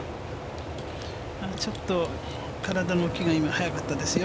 ちょっと体の向きが早かったですよ。